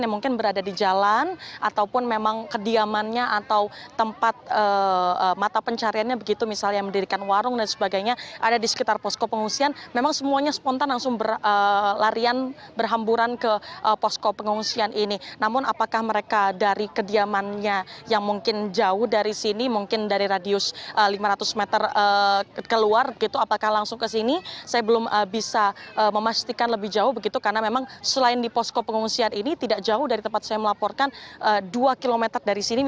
yang mungkin berada di jalan ataupun memang kediamannya atau tempat mata pencariannya begitu misalnya mendirikan warung dan sebagainya ada di sekitar posko pengungsian memang semuanya spontan langsung berlarian berhamburan ke posko pengungsian ini namun apakah mereka dari kediamannya yang mungkin jauh dari sini mungkin dari radius lima ratus meter keluar gitu apakah langsung ke sini saya belum bisa memastikan lebih jauh begitu karena memang selain di posko pengungsian ini tidak jauh dari sini